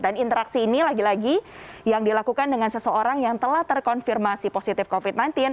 dan interaksi ini lagi lagi yang dilakukan dengan seseorang yang telah terkonfirmasi positif covid sembilan belas